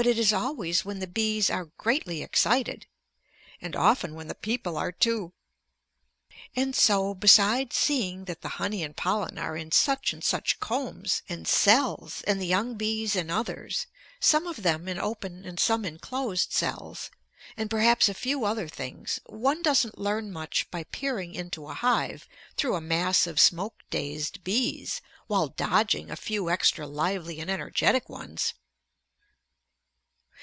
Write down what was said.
But it is always when the bees are greatly excited and often when the people are too. And so besides seeing that the honey and pollen are in such and such combs and cells and the young bees in others, some of them in open and some in closed cells, and perhaps a few other things, one doesn't learn much by peering into a hive through a mass of smoke dazed bees while dodging a few extra lively and energetic ones!